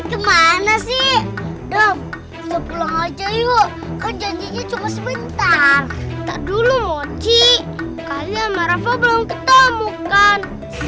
juga sebentar duluenizi kalian merah yang ketemukan